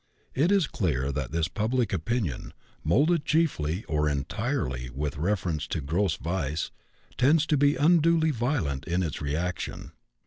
It is clear that this public opinion, molded chiefly or entirely with reference to gross vice, tends to be unduly violent in its reaction.